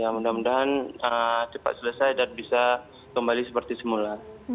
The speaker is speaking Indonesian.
mudah mudahan cepat selesai dan bisa kembali seperti semula